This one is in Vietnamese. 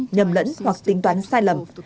nhầm lẫn hoặc tính toán sai lầm